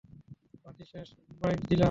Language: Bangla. পার্টি শেষ, ব্রাইডজিলা।